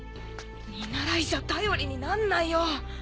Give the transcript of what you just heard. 見習いじゃ頼りになんないよ。